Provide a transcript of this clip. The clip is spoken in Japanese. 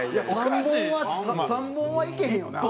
３本は３本はいけへんよな？